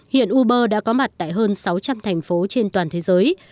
hiện uber đã có mặt tại hơn sáu trăm linh thành phố trên toàn thế giới